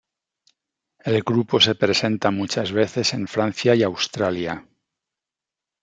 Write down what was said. El grupo se presenta muchas veces en Francia y Australia.